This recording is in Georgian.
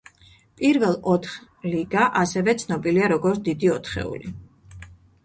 პირველ ოთხ ლიგა ასევე ცნობილია როგორც დიდი ოთხეული.